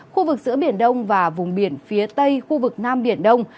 khu vực giữa biển đông và vùng biển phía tây khu vực nam biển đông